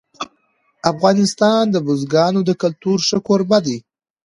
افغانستان د بزګانو د کلتور ښه کوربه دی.